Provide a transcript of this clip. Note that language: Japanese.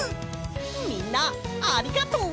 みんなありがとう！